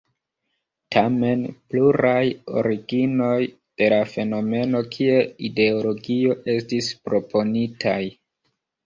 Tamen, pluraj originoj de la fenomeno kiel ideologio estis proponitaj.